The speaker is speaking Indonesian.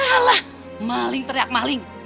alah maling teriak maling